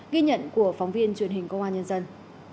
ghi nhận của phóng viên truyền hình công an nhân dân